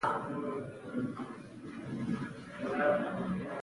کونه او څنگل نو څه اړه سره لري.